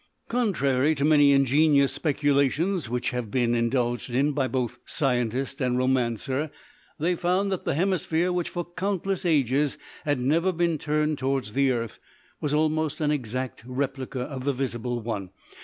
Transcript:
Contrary to many ingenious speculations which have been indulged in by both scientist and romancer, they found that the hemisphere, which for countless ages had never been turned towards the earth, was almost an exact replica of the visible one.